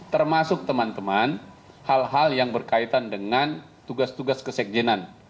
termasuk teman teman hal hal yang berkaitan dengan tugas tugas kesekjenan